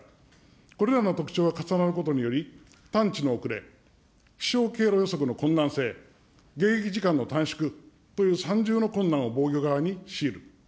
これらの特徴が重なることにより、探知の遅れ、飛しょう経路予測の困難性、迎撃時間の短縮という、三重の困難を防御側に強いる。